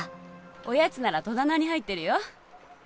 おやつなら戸棚に入ってるよ。